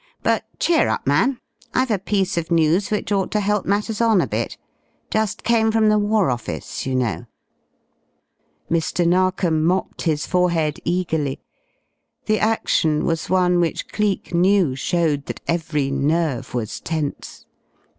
But, cheer up, man, I've a piece of news which ought to help matters on a bit. Just came from the War Office, you know." Mr. Narkom mopped his forehead eagerly. The action was one which Cleek knew showed that every nerve was tense.